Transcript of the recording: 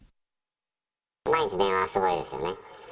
毎日電話がすごいですよね。